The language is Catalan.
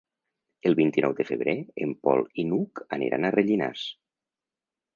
El vint-i-nou de febrer en Pol i n'Hug aniran a Rellinars.